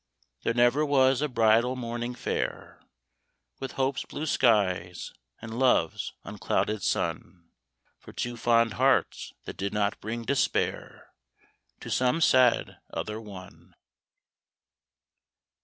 There never was a bridal morning fair With hope's blue skies and love's unclouded sun For two fond hearts, that did not bring despair To some sad other one.